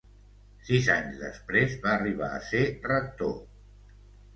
Sis anys després va arribar a ser Rector.